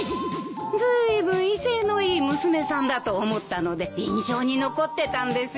ずいぶん威勢のいい娘さんだと思ったので印象に残ってたんですよ。